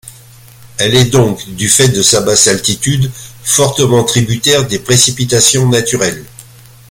Elle est donc, du fait de sa basse altitude, fortement tributaire des précipitations naturelles.